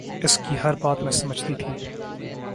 اس کی ہر بات میں سمجھتی تھی